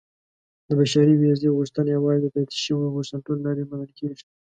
• د بشري ویزې غوښتنه یوازې د تایید شویو بنسټونو له لارې منل کېږي.